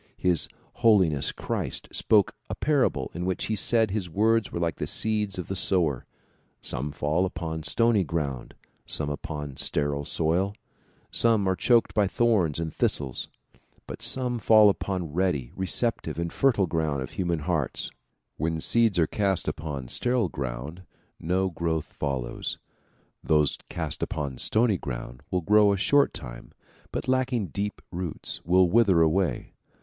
His Holiness Christ spoke a parable in which he said his words were like the seeds of the sower; some fall upon stony ground, some upon sterile soil, some are choked by thorns and thistles but some fall upon ready, recep tive and fertile ground of human hearts. When seeds are cast upon sterile soil no growth follows. Those cast upon stony ground will grow a short time but lacking deep roots will wither away.